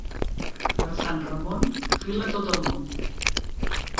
Per Sant Ramon fila tot el món.